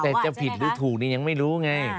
แต่จะผิดหรือถูกนี่ยังไม่รู้ไง